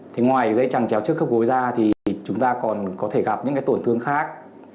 thế ngoài dây chẳng chéo trước khớp gối ra thì chúng ta còn có thể gặp những tổn thương khác